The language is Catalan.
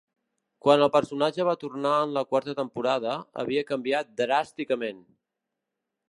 Quan el personatge va tornar en la quarta temporada, havia canviat dràsticament.